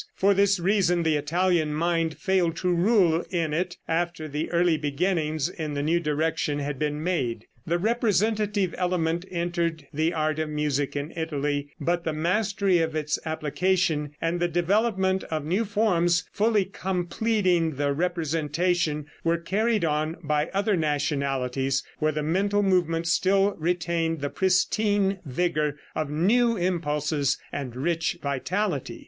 For this reason the Italian mind failed to rule in it after the early beginnings in the new direction had been made. The representative element entered the art of music in Italy; but the mastery of its application, and the development of new forms fully completing the representation, were carried on by other nationalities where the mental movement still retained the pristine vigor of new impulses and rich vitality.